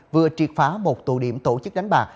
vừa triệt phá một tụ điểm tổ chức đánh bạc